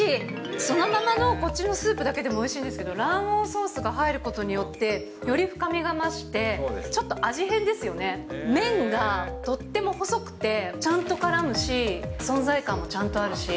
そのままのこっちのスープだけでもおいしいんですけど、卵黄ソースが入ることによって、より深みが増して、ちょっと味変ですよね、麺がとっても細くて、ちゃんとからむし、存在感もちゃんとあるし。